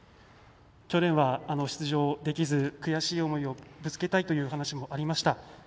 去年は出場できず悔しい思いをぶつけたいという話もありました。